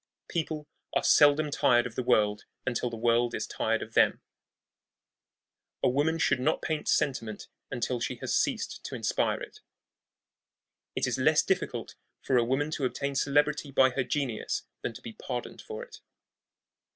People are seldom tired of the world until the world is tired of them. A woman should not paint sentiment until she has ceased to inspire it. It is less difficult for a woman to obtain celebrity by her genius than to be pardoned for it.